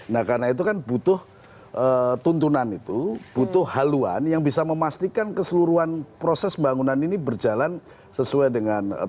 nah karena itu kan butuh tuntunan itu butuh haluan yang bisa memastikan keseluruhan proses pembangunan ini berjalan sesuai dengan